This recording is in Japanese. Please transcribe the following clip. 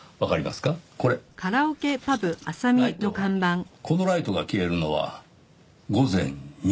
このライトが消えるのは午前２時なんですよ。